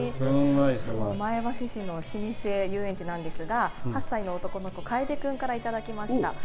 前橋市の老舗遊園地なんですが８歳の男の子、かえで君からいただきました。